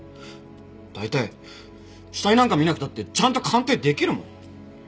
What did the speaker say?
大体死体なんか見なくたってちゃんと鑑定出来るもん！